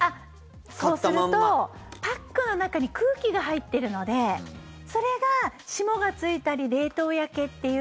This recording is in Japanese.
そうするとパックの中に空気が入っているのでそれが霜がついたり冷凍焼けっていう